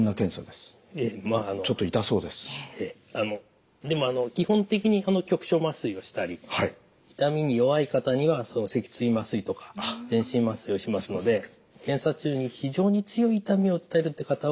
でもあの基本的に局所麻酔をしたり痛みに弱い方には脊椎麻酔とか全身麻酔をしますので検査中に非常に強い痛みを訴えるって方は少ないです。